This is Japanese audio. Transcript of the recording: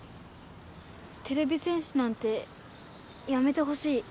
てれび戦士なんてやめてほしい。